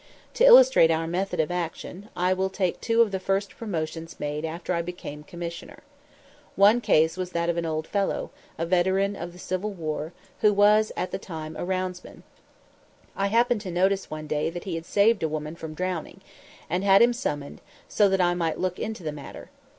To illustrate our method of action, I will take two of the first promotions made after I became Commissioner. One case was that of an old fellow, a veteran of the Civil War, who was at the time a roundsman. I happened to notice one day that he had saved a woman from drowning, and had him summoned so that I might look into the matter.